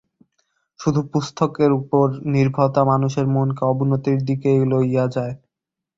শুধু পুস্তকের উপর নির্ভরতা মানুষের মনকে অবনতির দিকেই লইয়া যায়।